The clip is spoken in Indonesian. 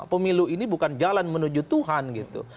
pemilu ini bukan jalan menuju tuhan gitu